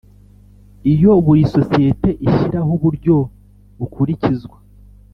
Iyo buri sosiyete ishyiraho uburyo bukurikizwa